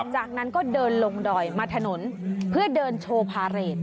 จากนั้นก็เดินลงดอยมาถนนเพื่อเดินโชว์พาเรท